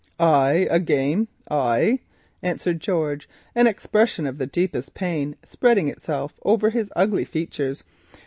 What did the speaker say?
"I a game—I——!" answered George, an expression of the deepest pain spreading itself over his ugly features.